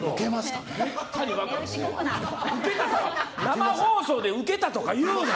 生放送でウケたとか言うな。